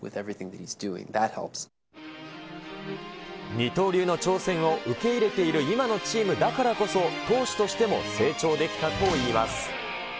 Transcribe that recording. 二刀流の挑戦を受け入れている今のチームだからこそ、投手としても成長できたといいます。